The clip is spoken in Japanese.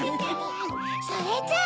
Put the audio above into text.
それじゃあ。